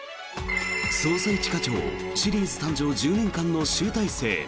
「捜査一課長」シリーズ誕生１０年間の集大成。